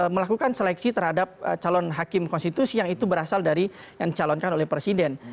melakukan seleksi terhadap calon hakim konstitusi yang itu berasal dari yang dicalonkan oleh presiden